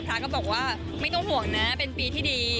พระก็บอกว่าไม่ต้องห่วงนะเป็นปีที่ดี